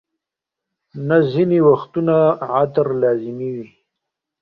نه، ځینې وختونه عطر لازمي وي.